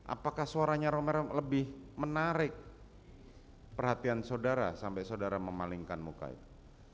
apakah suaranya romer lebih menarik perhatian saudara sampai saudara memalingkan muka itu